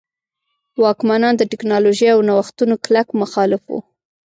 واکمنان د ټکنالوژۍ او نوښتونو کلک مخالف وو.